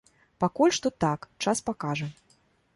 Пакуль што так, час пакажа.